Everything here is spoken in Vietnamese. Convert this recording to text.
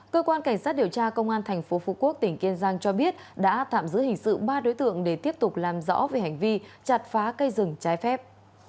cơ quan cảnh sát điều tra công an tp phú quốc tỉnh kiên giang cho biết đã tạm giữ hình sự ba đối tượng để tiếp tục làm rõ về hành vi chặt phá cây rừng trái phép